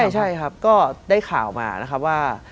ใช่ครับก็ได้ข่าวมานะครับว่า